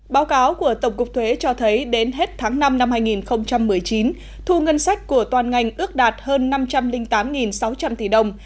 báo cáo của tổng cục thuế cho thấy đến hết tháng năm năm hai nghìn một mươi chín thu ngân sách của toàn ngành ước đạt hơn năm trăm linh tám sáu trăm linh tỷ đồng